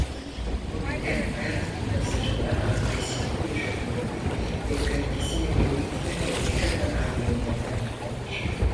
Bu neden ayakkabı pazarında agresif bir büyüme ve kalitesini belli etme politika tahayyülenden kaynaklanır.